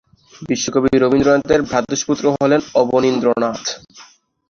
বিশ্বকবি রবীন্দ্রনাথের ভ্রাতুষ্পুত্র হলেন অবনীন্দ্রনাথ।